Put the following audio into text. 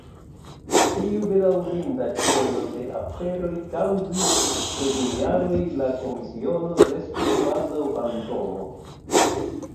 Tiu bedaŭrinda ĉeno de aferoj kaŭzis, ke dum jaroj la Komisiono restu kvazaŭ fantomo.